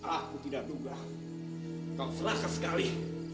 aku tidak duga kau serahkan sekali